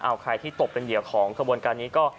เอาใครที่ตกเป็นเหยื่อของขบวนการนี้ก็